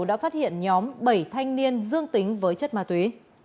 đã phát hiện nhóm bảy thanh niên dương tính với chất ma túy